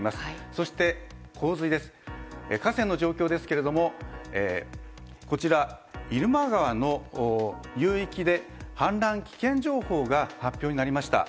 そして洪水、河川の状況ですがこちら入間川の流域で氾濫危険情報が発表されました。